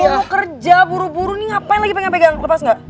mau kerja buru buru nih ngapain lagi pengen pegang lepas nggak